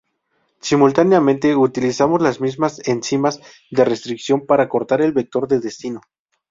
Simultáneamente utilizamos las mismas enzimas de restricción para cortar el vector de destino.